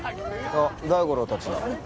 あっ大五郎たちだ。